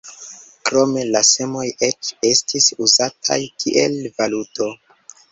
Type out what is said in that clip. Krome la semoj eĉ estis uzataj kiel valuto.